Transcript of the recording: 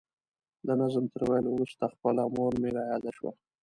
د نظم تر ویلو وروسته خپله مور مې را یاده شوه.